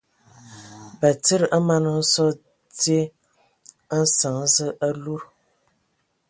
Batsidi a mana hm sɔ dzyē a nsəŋ Zǝə a ludǝtu.